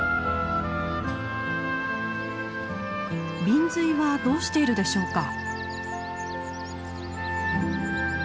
ビンズイはどうしているでしょうか。